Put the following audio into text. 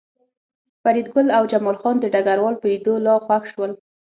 فریدګل او جمال خان د ډګروال په لیدو لا خوښ شول